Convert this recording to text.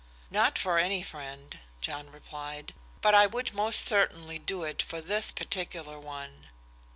"Not for any friend," John replied. "But I would most certainly do it for this particular one."